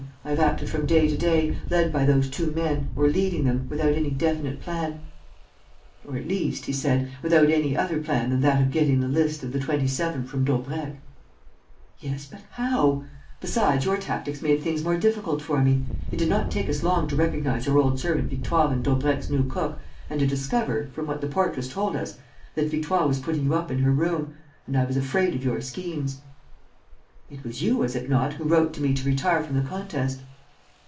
I have acted from day to day, led by those two men or leading them, without any definite plan." "Or, at least," he said, "without any other plan than that of getting the list of the Twenty seven from Daubrecq." "Yes, but how? Besides, your tactics made things more difficult for me. It did not take us long to recognize your old servant Victoire in Daubrecq's new cook and to discover, from what the portress told us, that Victoire was putting you up in her room; and I was afraid of your schemes." "It was you, was it not, who wrote to me to retire from the contest?"